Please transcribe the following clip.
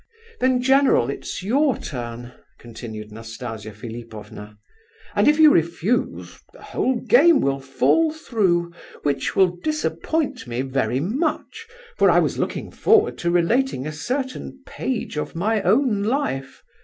"Then, general, it's your turn," continued Nastasia Philipovna, "and if you refuse, the whole game will fall through, which will disappoint me very much, for I was looking forward to relating a certain 'page of my own life.